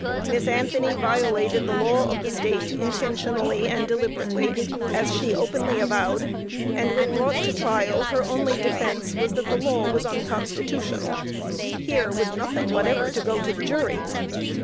Miss Anthony violated the law of the State intentionally and deliberately, as she openly avowed, and when brought to trial her only defence was that the law was unconstitutional. Here was nothing whatever to go to the jury."